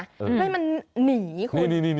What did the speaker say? เพื่อให้มันหนีคุณ